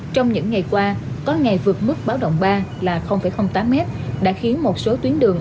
trong những ngày qua có ngày vượt mức báo động ba là tám m đã khiến một số tuyến đường